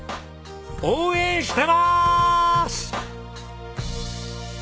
応援してます！